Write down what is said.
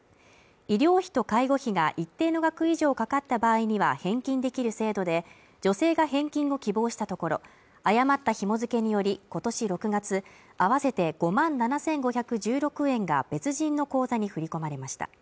医療費と介護費が一定の額以上かかった場合には返金できる制度で、女性が返金を希望したところ、誤ったひも付けにより、今年６月、あわせて５万７５１６円が別人の口座に振り込まれました。